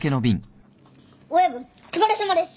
親分お疲れさまです。